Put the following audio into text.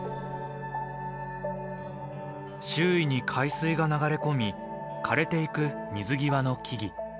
周囲に海水が流れ込み枯れていく水際の木々。